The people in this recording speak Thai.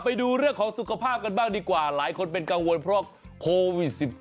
ไปดูเรื่องของสุขภาพกันบ้างดีกว่าหลายคนเป็นกังวลเพราะโควิด๑๙